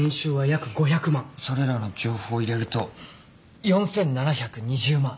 それらの情報を入れると４，７２０万。